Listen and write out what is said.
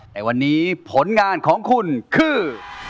แต่วันนี้ผลงานของคุณคือ